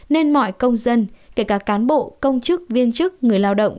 nên mọi công dân kể cả cán bộ công chức viên chức người lao động